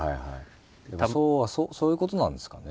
でもそういうことなんですかね。